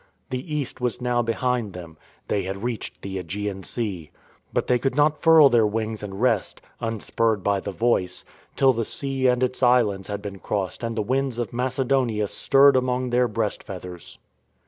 The East was now behind them. They had reached the ^gean Sea. But they could not furl their wings and rest, unspurred by the Voice, till the sea and its islands had been crossed and the winds of Macedonia stirred among their breast feath ers.